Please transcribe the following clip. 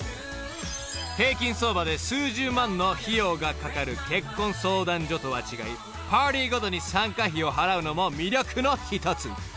［平均相場で数十万の費用がかかる結婚相談所とは違いパーティーごとに参加費を払うのも魅力の１つ］